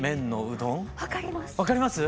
分かります！